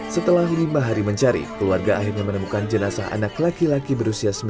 setelah lima hari mencari keluarga akhirnya menemukan jenazah anak laki laki berusia sembilan tahun